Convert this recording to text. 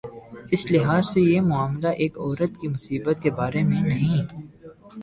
اس لحاظ سے یہ معاملہ ایک عورت کی مصیبت کے بارے میں نہیں۔